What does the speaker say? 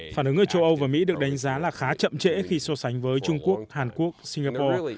phản ứng ở châu âu và mỹ được đánh giá là khá chậm trễ khi so sánh với trung quốc hàn quốc singapore